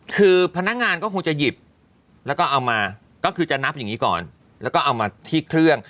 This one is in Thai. คือพนักงานก็คงจะหยิบแล้วก็เอามาก็คือจะนับอย่างนี้ก่อนแล้วก็เอามาที่เครื่อง